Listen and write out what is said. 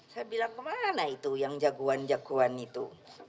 saya bilang kemana itu yang jagoan jagoan itu